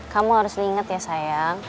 kamu harus ingat ya sayang